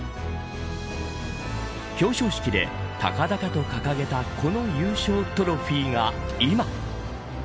表彰式で高々と掲げたこの優勝トロフィーが今。